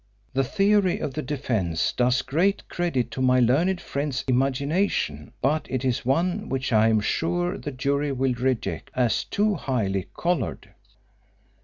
The theory of the defence does great credit to my learned friend's imagination, but it is one which I am sure the jury will reject as too highly coloured.